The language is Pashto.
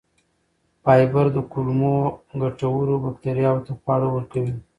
فایبر د کولمو ګټورو بکتریاوو ته خواړه ورکوي.